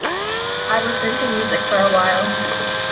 I was into music for awhile.